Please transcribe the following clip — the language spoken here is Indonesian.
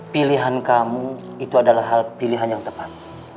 pilihan kamu itu adalah hal pilihan yang tepat